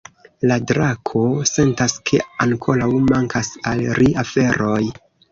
La drako sentas, ke ankoraŭ mankas al ri aferoj.